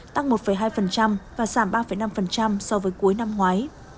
tăng một hai và giảm ba năm so với cuối năm ngoái